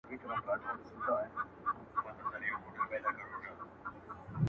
ستا په څېر مي هغه هم بلا د ځان دئ.!